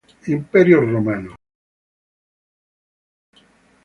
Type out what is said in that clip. Imperio romano